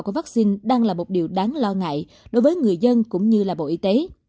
của vaccine đang là một điều đáng lo ngại đối với người dân cũng như là bộ y tế